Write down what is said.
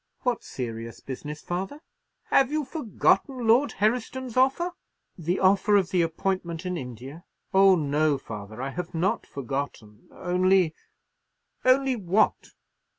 "What serious business, father?" "Have you forgotten Lord Herriston's offer?" "The offer of the appointment in India? Oh, no, father, I have not forgotten, only——" "Only what?"